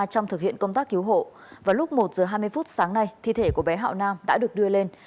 trong thực hiện công tác cứu hộ vào lúc một giờ hai mươi phút sáng nay thi thể của bé hạo nam đã được đưa lên